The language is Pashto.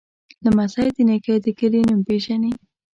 لمسی د نیکه د کلي نوم پیژني.